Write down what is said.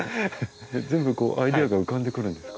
全部こうアイデアが浮かんでくるんですか？